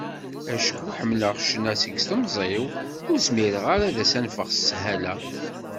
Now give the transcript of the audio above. Acku ḥemmleɣ ccna seg temẓi-w, ur zmireɣ ara ad as-anfeɣ s sshala.